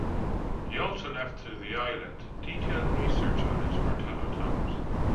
He also left to the island detailed research on its Martello towers.